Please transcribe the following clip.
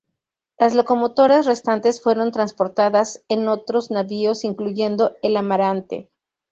Las locomotoras restantes fueron transportadas en otros navíos, incluyendo el "Amarante".